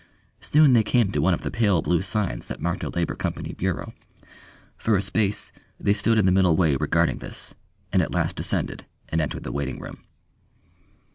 Soon they came to one of the pale blue signs that marked a Labour Company Bureau. For a space they stood in the middle way regarding this and at last descended, and entered the waiting room.